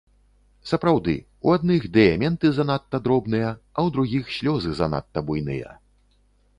Сапраўды, у адных дыяменты занадта дробныя, а ў другіх слёзы занадта буйныя.